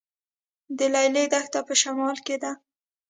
د لیلی دښته په شمال کې ده